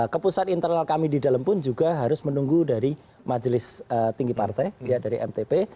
kepusat internal kami di dalam pun juga harus menunggu dari majelis tinggi partai dari mtp